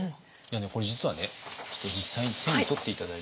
これ実はねちょっと実際に手に取って頂いて。